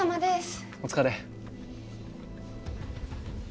お疲れ。